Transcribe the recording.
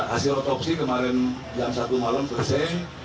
hasil otopsi kemarin jam satu malam selesai